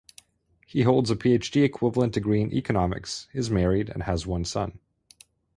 He holds a PhD-equivalent degree in Economics, is married, and has one son.